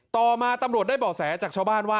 ต่อมาตำรวจได้บ่อแสจากชาวบ้านว่า